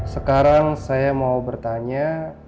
sekarang saya mau bertanya